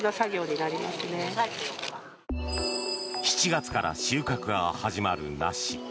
７月から収穫が始まる梨。